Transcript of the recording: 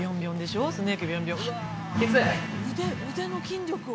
腕の筋力を。